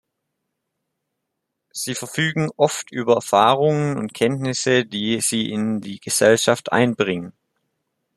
Sie verfügen oft über Erfahrungen und Kenntnisse, die sie in die Gesellschaft einbringen.